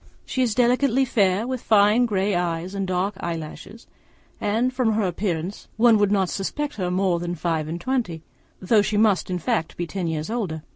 She is delicately fair, with fine grey eyes and dark eyelashes; and from her appearance one would not suppose her more than five and twenty, though she must in fact be ten years older.